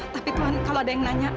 tapi tuhan kalau ada yang nanya